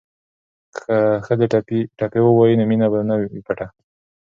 که ښځې ټپې ووايي نو مینه به نه وي پټه.